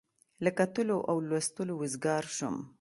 له کتلو او لوستلو وزګار شوم.